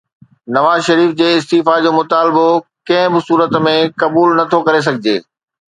نواز شريف جي استعيفيٰ جو مطالبو ڪنهن به صورت ۾ قبول نه ٿو ڪري سگهجي.